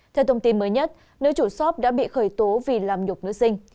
theo thông tin mới nhất nữ chủ shop đã bị khởi tố vì làm nhục nữ sinh